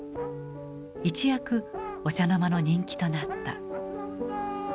一躍お茶の間の人気となった。